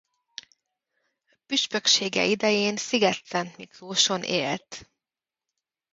Püspöksége idején Szigetszentmiklóson élt.